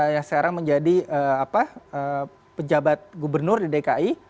yang sekarang menjadi pejabat gubernur di dki